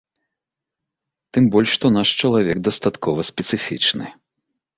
Тым больш, што наш чалавек дастаткова спецыфічны.